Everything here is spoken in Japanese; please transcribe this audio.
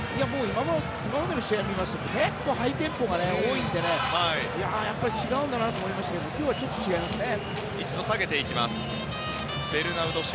今までの試合を見ていると結構ハイテンポが多いので違うんだなと感じましたが今日はちょっと違いますね。